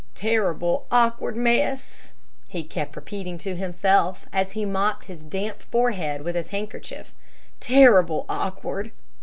"Terrible awk'ard mess," he kept repeating to himself, as he mopped his damp forehead with his handkerchief, "terrible awk'ard."